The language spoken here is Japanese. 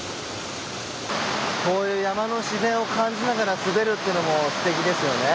こういう山の自然を感じながら滑るってのもすてきですよね。